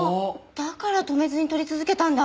だから止めずに撮り続けたんだ。